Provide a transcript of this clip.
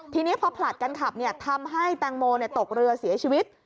ทีนี้พอผลัดกันขับทำให้แตงโมตกเรือเสียชีวิต